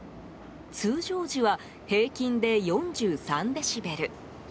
通常時は、平均で４３デシベル。